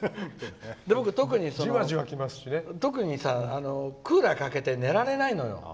僕、特にクーラーかけて寝られないのよ。